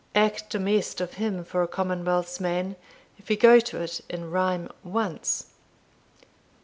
Actum est of him for a commonwealth's man, if he goto't in rhyme once.